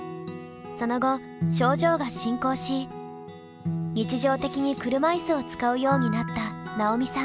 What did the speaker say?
その後症状が進行し日常的に車いすを使うようになった奈緒美さん。